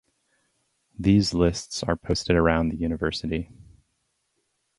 These lists are posted around the University.